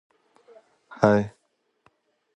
The expedition was unsuccessful.